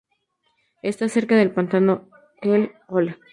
Está cerca del Pantano Hell Hole.